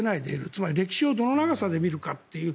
つまり、歴史をどの長さで見るかという。